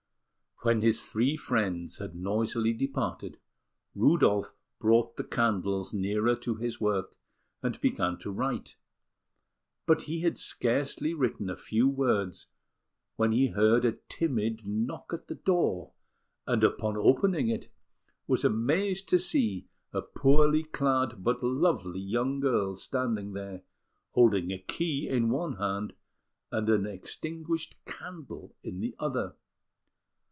When his three friends had noisily departed, Rudolf brought the candles nearer to his work, and began to write; but he had scarcely written a few words, when he heard a timid knock at the door, and on opening it, was amazed to see a poorly clad but lovely young girl standing there, holding a key in one hand and an extinguished candle in the other.